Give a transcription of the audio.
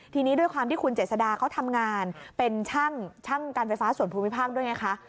ทีนี้ด้วยความที่คุณเจษดาเขาทำงานเป็นช่างการไฟฟ้าส่วนภูมิภาคด้วยไงคะ